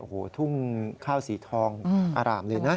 โอ้โหทุ่งข้าวสีทองอารามเลยนะ